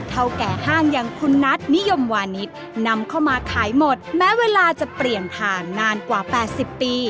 เท่าแก่ห้างอย่างคุณนัทนิยมวานิสนำเข้ามาขายหมดแม้เวลาจะเปลี่ยนผ่านนานกว่า๘๐ปี